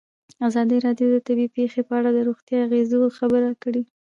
ازادي راډیو د طبیعي پېښې په اړه د روغتیایي اغېزو خبره کړې.